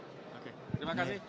oke terima kasih